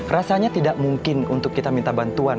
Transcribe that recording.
rasanya tidak mungkin untuk kita mencari tanah